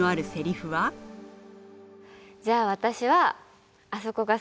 じゃあ私はあそこが好きです。